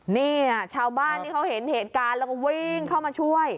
นี่ชาวบ้านที่เขาเห็นเหตุการณ์แล้วก็วิ่งเข้ามาช่วย